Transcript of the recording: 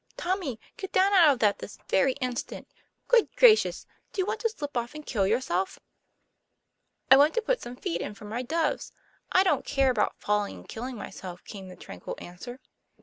" Tommy, get down out of that this very instant. 24 TOM PLA YFAIR. Good gracious ! do you want to slip off and kill your self?" ;' I want to put some feed in for my doves. I don't care about falling and killing myself," came the tranquil answer.